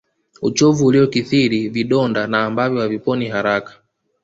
uchovu uliokithiri vidonda na ambavyo haviponi haraka